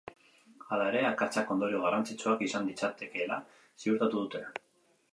Halaere, akatsak ondorio garrantzitsuak izan ditzakeela ziurtatu dute.